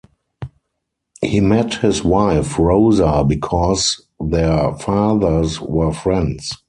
He met his wife Rosa because their fathers were friends.